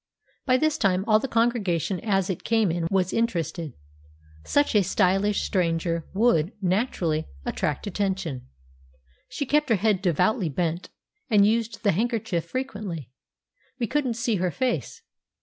By this time all the congregation as it came in was interested. Such a stylish stranger would naturally attract attention. She kept her head devoutly bent, and used the handkerchief frequently; we couldn't see her face.